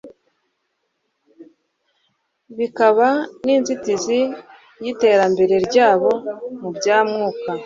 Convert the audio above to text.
bikaba n'inzitizi y'iterambere ryabo mu bya mwuka